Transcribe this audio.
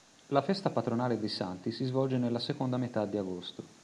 La festa patronale dei Santi si svolge nella seconda metà di agosto.